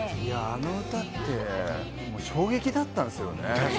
あの歌って衝撃だったんすよね。